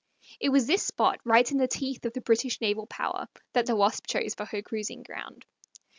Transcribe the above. It was this spot, right in the teeth of the British naval power, that the Wasp chose for her cruising ground.